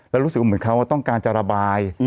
แล้วรู้สึกว่าเหมือนเขาต้องการจะระบาย